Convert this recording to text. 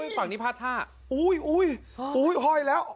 ต้องต้อง